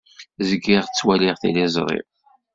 Zgiɣ ttwaliɣ tiliẓri.